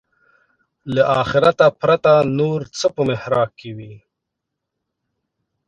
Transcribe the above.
له آخرته پرته نور څه په محراق کې وي.